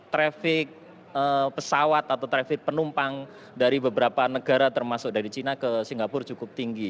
trafik pesawat atau trafik penumpang dari beberapa negara termasuk dari cina ke singapura cukup tinggi